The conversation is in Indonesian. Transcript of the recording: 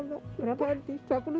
berapa dua puluh tahun